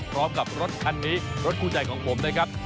พร้อมกับรถคันนี้รถคู่ใจของผมนะครับ